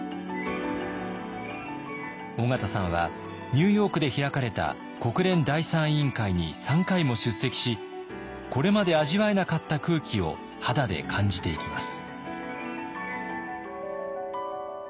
緒方さんはニューヨークで開かれた国連第３委員会に３回も出席しこれまで味わえなかった空気を肌で感じていきます。